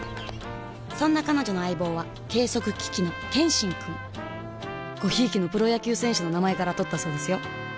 そんな彼女の相棒は計測機器の「ケンシン」くんご贔屓のプロ野球選手の名前からとったそうですよ